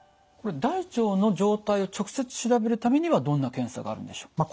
これ大腸の状態を直接調べるためにはどんな検査があるんでしょう？